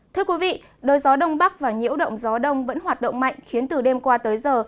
thưa quý vị đôi gió đông bắc và nhiễu động gió đông vẫn hoạt động mạnh khiến từ đêm qua tới giờ